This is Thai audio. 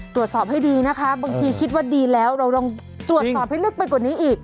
ตรวจสอบให้ดีนะคะบางทีคิดว่าดีแล้วเราลองตรวจสอบให้ลึกไปกว่านี้อีก